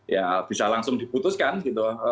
ya bisa langsung diputuskan gitu